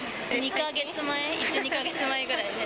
２か月前、１、２か月前ぐらいで。